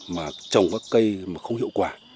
mà trồng các cây mà không hiệu quả